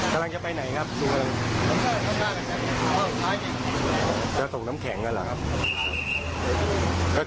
จะส่งน้ำแข็งน่ะหรอครับ